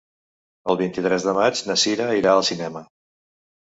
El vint-i-tres de maig na Sira irà al cinema.